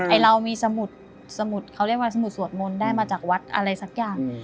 เรามีสมุดสมุดเขาเรียกว่าสมุดสวดมนต์ได้มาจากวัดอะไรสักอย่าง